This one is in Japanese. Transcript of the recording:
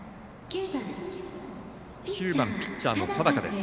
９番、ピッチャーの田高です。